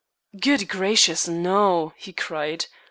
"Good gracious, no," he cried.